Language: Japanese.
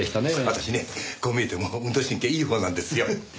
私ねこう見えても運動神経いいほうなんですよ。